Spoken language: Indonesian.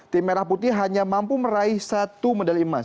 tim merah putih hanya mampu meraih satu medali emas